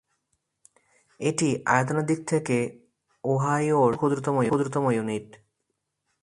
এটি আয়তনের দিক থেকে ওহাইওর চতুর্থ ক্ষুদ্রতম কাউন্টি।